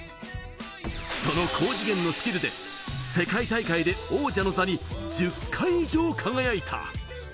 その高次元のスキルで世界大会で王者の座に１０回以上、輝いた。